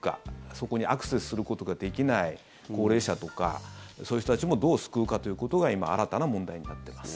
そこにアクセスすることができない高齢者とか、そういう人たちもどう救うかということが今、新たな問題になってます。